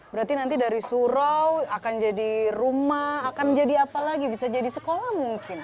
jadi nanti dari surau akan jadi rumah akan jadi apa lagi bisa jadi sekolah mungkin